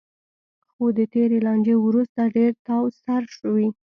خو د تېرې لانجې وروسته ډېر تاوسر شوی.